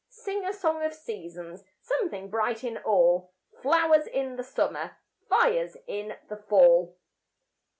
Sing a song of seasons! Something bright in all! Flowers in the summer, Fires in the fall!